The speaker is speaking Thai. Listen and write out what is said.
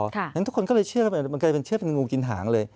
อย่างนั้นทุกคนก็เลยเชื่อมันก็เลยเป็นเชื่อเป็นงูกินหางเลย